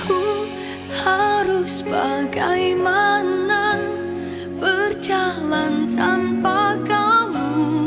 aku harus bagaimana berjalan tanpa kamu